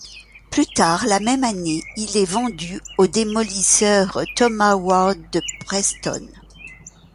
Plus tard la même année, il est vendu aux démolisseur Thomas Ward de Preston.